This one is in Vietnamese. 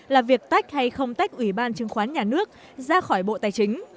là việc tách hay không tách ủy ban chứng khoán nhà nước ra khỏi bộ tài chính